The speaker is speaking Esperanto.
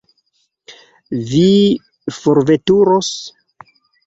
Vi forveturos?